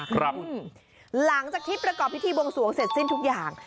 หลังจากที่ประกอบพิธีบวงสวงเสร็จสิ้นทุกอย่าง